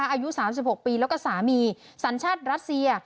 อายุ๓๖ปีแล้วก็สามีสัญชาติรัสเซีย